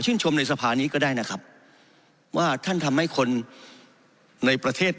ชมในสภานี้ก็ได้นะครับว่าท่านทำให้คนในประเทศ